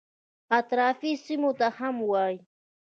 اطرافي سیمو ته هم وایي.